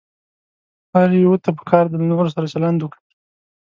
هر يوه ته پکار ده له نورو سره چلند وکړي.